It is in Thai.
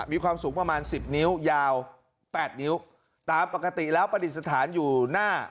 มีความสูงประมาณสิบนิ้วยาวแปดนิ้วตามปกติแล้วประดิษฐานอยู่หน้า